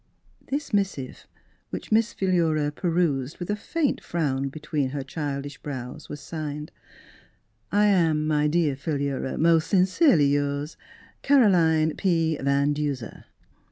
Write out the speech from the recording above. This missive, which jNIiss Philura pe rused with a faint frown between her child ish brows, was signed, " I am, my dear Philura, most sincerely yours, Caroline P. Van Duser."